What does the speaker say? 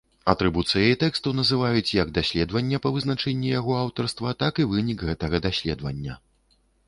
Атрыбуцыяй тэксту называюць як даследаванне па вызначэнні яго аўтарства, так і вынік гэтага даследавання.